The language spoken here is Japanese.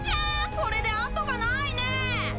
これであとがないね！